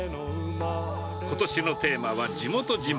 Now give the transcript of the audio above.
ことしのテーマは、地元自慢！